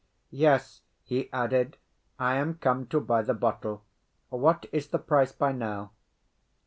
"Yes," he added, "I am come to buy the bottle. What is the price by now?"